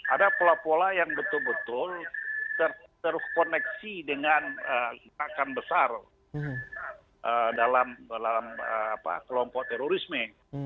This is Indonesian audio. ada pola pola yang betul betul terkoneksi dengan gerakan besar dalam kelompok terorisme